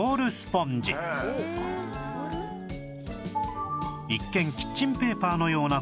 一見キッチンペーパーのようなこの商品